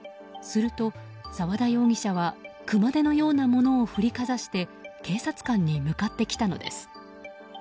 すると、沢田容疑者は熊手のようなものを振りかざして警察官に向かってきたのです。